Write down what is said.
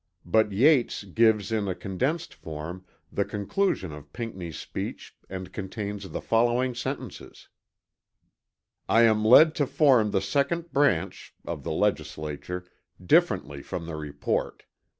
But Yates gives in a condensed form the conclusion of Pinckney's speech and contains the following sentences: "I am led to form the second branch (of the legislature) differently from the report.